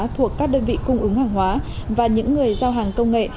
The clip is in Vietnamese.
thuộc các đơn vị cung ứng hàng hóa và những người giao hàng công nghệ